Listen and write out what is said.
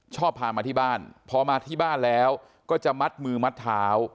พามาที่บ้านพอมาที่บ้านแล้วก็จะมัดมือมัดเท้า